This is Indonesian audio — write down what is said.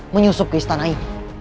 menyusup ke istana ini